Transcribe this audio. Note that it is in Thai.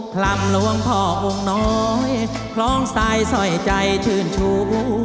ลำหลวงพ่อองค์น้อยคล้องทรายสอยใจชื่นชู